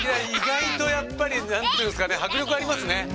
意外とやっぱり何ていうんですかね迫力ありますね。